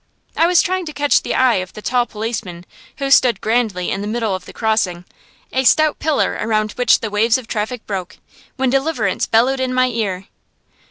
I was trying to catch the eye of the tall policeman who stood grandly in the middle of the crossing, a stout pillar around which the waves of traffic broke, when deliverance bellowed in my ear.